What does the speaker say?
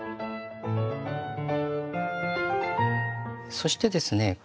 そしてですね